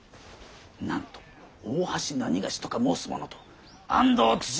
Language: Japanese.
なんと大橋何某とか申すものと安藤対馬